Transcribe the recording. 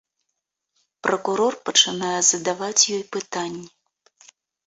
Пракурор пачынае задаваць ёй пытанні.